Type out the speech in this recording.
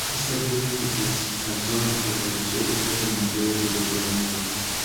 Each subdomain is a zone of administrative autonomy delegated to a manager.